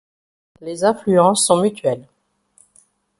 Et les influences sont mutuelles.